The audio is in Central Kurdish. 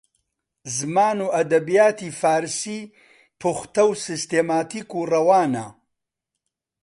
زمان و ئەدەبیاتی فارسی پوختە و سیستەماتیک و ڕەوانە